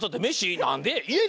なんで？